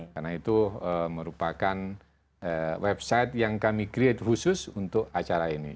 karena itu merupakan website yang kami create khusus untuk acara ini